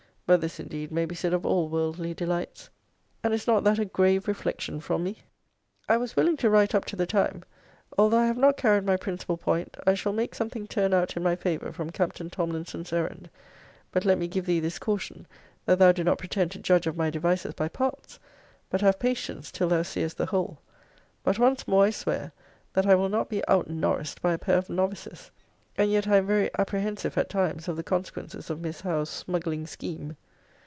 But this, indeed, may be said of all worldly delights. And is not that a grave reflection from me? I was willing to write up to the time. Although I have not carried my principal point, I shall make something turn out in my favour from Captain Tomlinson's errand. But let me give thee this caution; that thou do not pretend to judge of my devices by parts; but have patience till thou seest the whole. But once more I swear, that I will not be out Norris'd by a pair of novices. And yet I am very apprehensive, at times, of the consequences of Miss Howe's smuggling scheme.